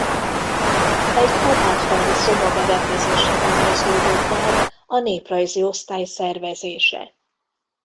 Egy apátfalvi szoba berendezésével kezdődött el a néprajzi osztály szervezése.